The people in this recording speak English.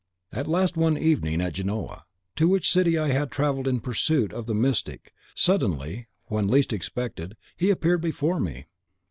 At last, one evening, at Genoa, to which city I had travelled in pursuit of the mystic, suddenly, and when least expected, he appeared before me.